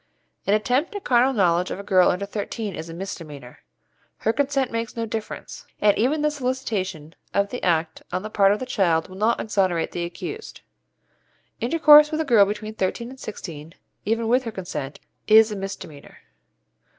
An attempt at carnal knowledge of a girl under thirteen is a misdemeanour. Her consent makes no difference, and even the solicitation of the act on the part of the child will not exonerate the accused. Intercourse with a girl between thirteen and sixteen, even with her consent, is a misdemeanour.